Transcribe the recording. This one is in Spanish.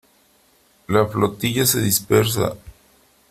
la flotilla se dispersa .